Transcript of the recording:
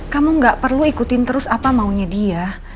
kamu gak perlu ikutin terus apa maunya dia